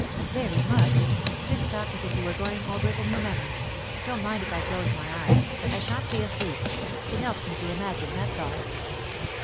"Very much. Just talk as if you were going over it in your memory. Don't mind if I close my eyes; I shan't be asleep; it helps me to imagine, that's all."